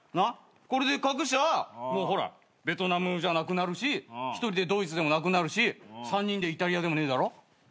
これで隠しゃほらベトナムじゃなくなるし１人でドイツでもなくなるし３人でイタリアでもねえだろ。